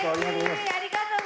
ありがとう。